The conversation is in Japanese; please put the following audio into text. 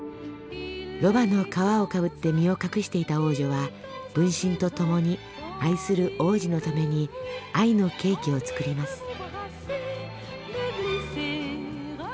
ロバの皮をかぶって身を隠していた王女は分身と共に愛する王子のために愛のケーキを作ります。